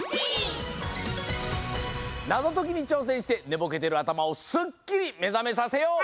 ナゾトキにちょうせんしてねぼけてるあたまをすっきりめざめさせよう！